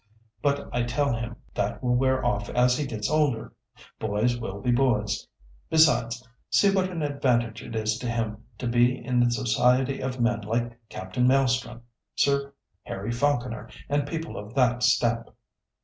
But I tell him that will wear off as he gets older. Boys will be boys. Besides, see what an advantage it is to him to be in the society of men like Captain Maelstrom, Sir Harry Falconer, and people of that stamp."